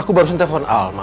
aku barusan telepon al mak